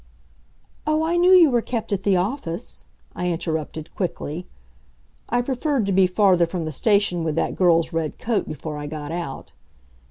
"Oh, I knew you were kept at the office," I interrupted quickly. I preferred to be farther from the station with that girl's red coat before I got out.